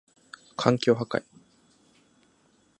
環境破壊